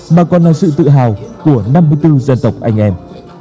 mà còn là sự tự hào của năm mươi bốn dân tộc anh em